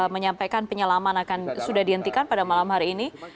menyampaikan penyelaman akan sudah dihentikan pada malam hari ini